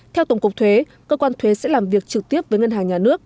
theo tổng cục thuế cơ quan thuế sẽ làm việc trực tiếp với ngân hàng nhà nước